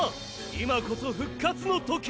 今こそ復活のとき！